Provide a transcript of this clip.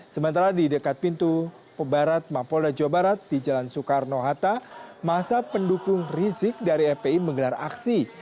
sementara di dekat pintu pembarat mapolda jawa barat di jalan soekarno hatta masa pendukung rizik dari fpi menggelar aksi